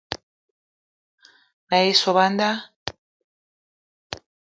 Me ye sop a nda